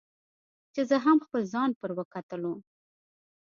چې زه هم خپل ځان پر وکتلوم.